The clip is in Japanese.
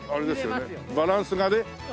バランスがね。